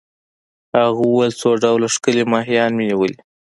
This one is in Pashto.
هغه وویل: څو ډوله ښکلي ماهیان مي نیولي.